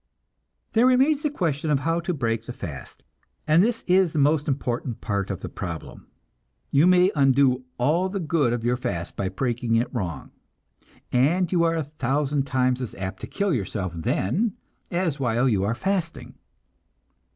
There remains the question of how to break the fast, and this is the most important part of the problem. You may undo all the good of your fast by breaking it wrong, and you are a thousand times as apt to kill yourself then, as while you are fasting.